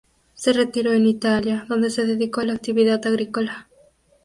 Se retiró en Italia, donde se dedicó a la actividad agrícola.